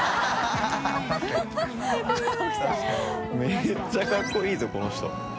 めっちゃかっこいいぞこの人。